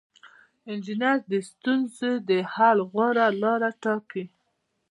انجینر د ستونزې د حل غوره لاره ټاکي.